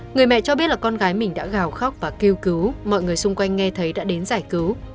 người mẹ cho biết là con gái mình đã gào khóc và kêu cứu mọi người xung quanh nghe thấy đã đến giải cứu